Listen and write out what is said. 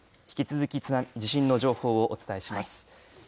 引き続き地震の情報をお伝えします。